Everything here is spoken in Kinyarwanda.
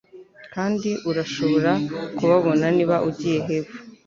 kandi urashobora kubabona niba ugiye hepfo